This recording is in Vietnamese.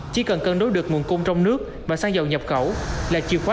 chỉ cần cân đối được nguồn cung trong nước và xăng dầu nhập khẩu là chìa khóa